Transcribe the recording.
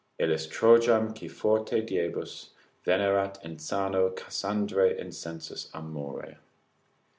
———Illis Trojam qui forte diebus Venerat insano Cassandrae insensus amore.